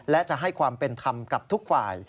และจะให้ความเป็นธรรมกับทุกฝ่าย